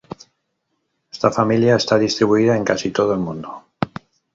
Esta familia está distribuida en casi todo el mundo.